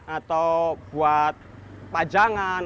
atau buat pajangan